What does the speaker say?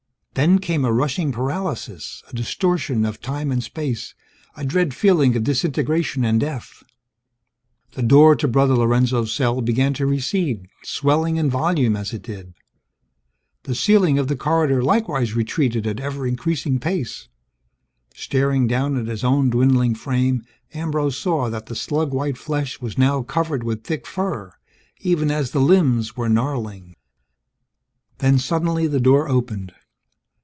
Then, came a rushing paralysis, a distortion of time and space, a dread feeling of disintegration and death ... The door to Brother Lorenzo's cell began to recede, swelling in volume as it did. The ceiling of the corridor likewise retreated at ever increasing pace. Staring down at his own dwindling frame, Ambrose saw that the slug white flesh was now covered with thick fur, even as the limbs were gnarling Then, suddenly the door opened.